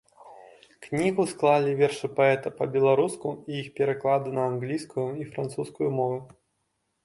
Кнігу склалі вершы паэта па-беларуску і іх пераклады на англійскую і французскую мовы.